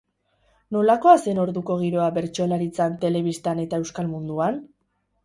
Nolakoa zen orduko giroa bertsolaritzan, telebistan eta euskal munduan?